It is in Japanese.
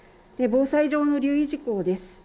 防災上の留意事項です。